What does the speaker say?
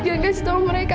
jangan kasih tahu mereka